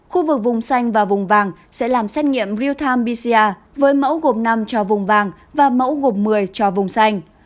khu vực vùng xanh và vùng vàng sẽ làm xét nghiệm real time bcia với mẫu gộp năm cho vùng vàng và mẫu gộp một mươi cho vùng xanh